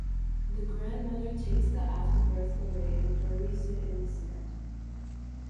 The grandmother takes the afterbirth away and buries it in the sand.